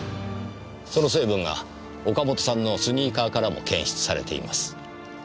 その成分が岡本さんのスニーカーからも検出されています。